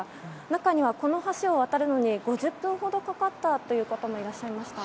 中にはこの橋を渡るのに５０分ほどかかったという方もいらっしゃいました。